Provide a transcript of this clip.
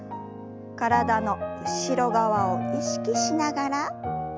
体の後ろ側を意識しながら戻して。